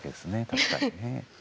確かにね。